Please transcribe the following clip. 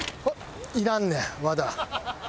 いらんねん和田。